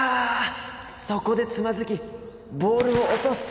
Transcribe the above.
そこでつまずきボールを落とす。